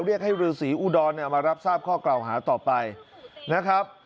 เรียกให้รือศรีอุดรมารับทราบข้อกล่าวหาต่อไปนะครับ